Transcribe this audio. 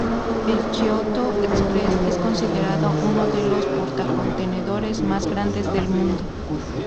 El Kyoto Express es considerado uno de los portacontenedores más grandes del mundo.